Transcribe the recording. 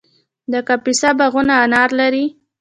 د کاپیسا باغونه انار لري.